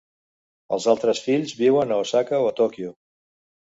Els altres fills viuen a Osaka o a Tòquio.